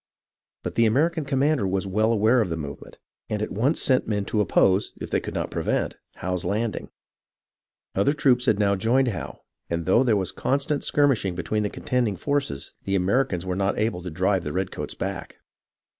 But the American commander was well aware of the movement, and at once sent men to oppose, if they could not prevent, Howe's landing. Other troops had now joined Howe, and though there was constant skirmishing between the contending forces, the Americans were not able to drive the redcoats back.